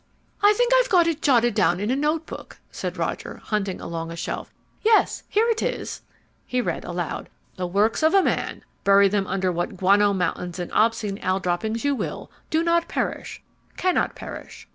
"I think I've got it jotted down in a notebook," said Roger, hunting along a shelf. "Yes, here it is." He read aloud: "The works of a man, bury them under what guano mountains and obscene owl droppings you will, do not perish, cannot perish.